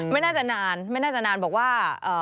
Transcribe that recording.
ไม่น่าจะนานไม่น่าจะนานบอกว่า